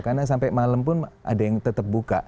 karena sampai malam pun ada yang tetap buka